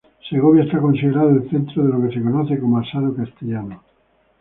Segovia es considerada el centro de lo que se conoce como asado castellano.